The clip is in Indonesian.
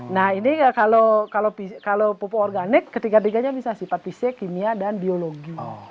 nah ini kalau pupuk organik ketiga tiganya bisa sifat fisik kimia dan biologi